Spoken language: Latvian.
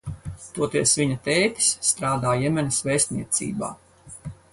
Toties viņa tētis strādā Jemenas vēstniecībā.